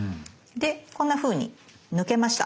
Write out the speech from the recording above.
でこんなふうに抜けました。